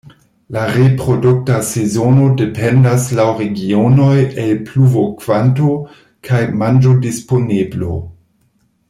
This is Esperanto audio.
La reprodukta sezono dependas laŭ regionoj el pluvokvanto kaj manĝodisponeblo.